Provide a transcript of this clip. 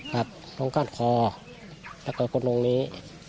ครับตรงก้านคอแล้วก็กดลงนี้